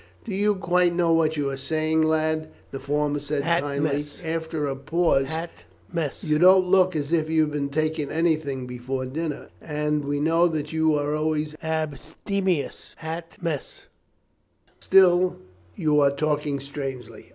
"Do you quite know what you are saying, lad?" the former said kindly, after a pause. "You don't look as if you had been taking anything before dinner, and we know that you are always abstemious at mess; still you are talking strangely."